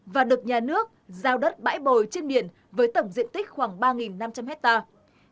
và được nhà nước giao đất bãi bồi trên biển với tổng diện tích khoảng ba năm trăm linh hectare